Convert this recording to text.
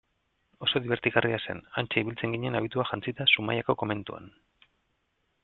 Oso dibertigarria zen, hantxe ibiltzen ginen abitua jantzita Zumaiako komentuan.